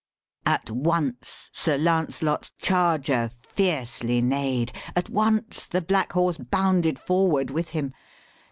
At once Sir Lancelot's charger fiercely neigh'd At once the black horse bounded forward with him.